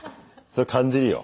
それ感じるよ。